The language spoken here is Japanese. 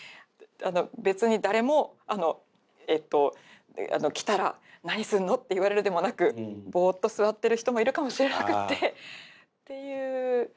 別に誰も来たら「何すんの？」って言われるでもなくぼっと座ってる人もいるかもしれなくてっていう。